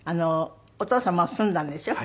お父様は済んだんですよ。